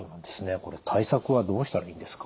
これ対策はどうしたらいいんですか？